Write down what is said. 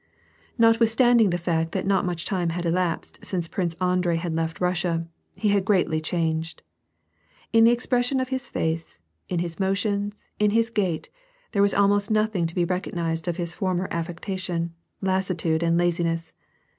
Notwithstanding the fact that not much time had elapsed since Prince Andrei had left Eussia, he had greatly changed. In the expression of his face, in his motions, in his gait, there was almost nothing to be recognized of his former affectation, lassitude, and laziness.